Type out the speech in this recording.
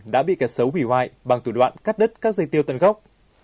đã bị kẻ xấu phá hoại bằng thủ đoạn cắt đứt các dây tiêu tận gốc